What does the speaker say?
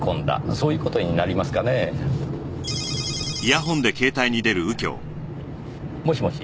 そういう事になりますかねぇ？もしもし。